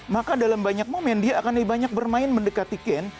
maka dalam banyak momen dia akan lebih banyak bermain mendekati kan